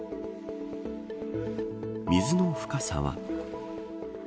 水の深さは。